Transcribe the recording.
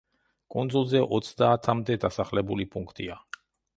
კუნძულზე ოცდაათამდე დასახლებული პუნქტია.